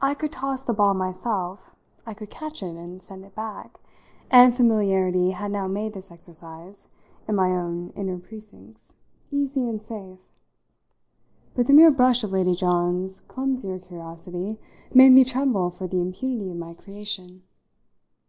I could toss the ball myself, I could catch it and send it back, and familiarity had now made this exercise in my own inner precincts easy and safe. But the mere brush of Lady John's clumsier curiosity made me tremble for the impunity of my creation.